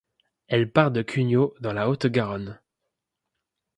Elle part de Cugnaux, dans la Haute-Garonne.